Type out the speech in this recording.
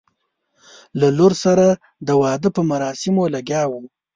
له لور سره د واده په مراسمو لګیا وو.